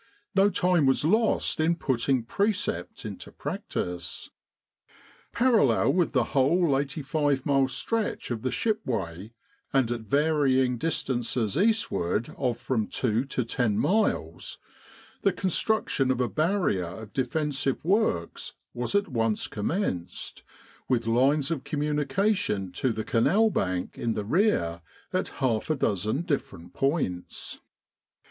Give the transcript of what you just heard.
No time was lost in putting precept into practice. Parallel with the whole 85 mile stretch of the ship way, and at varying distances eastward of from two to ten miles, the construction of a barrier of defensive works was at once commenced, with lines of com munication to the Canal bank in the rear at half a dozen different points.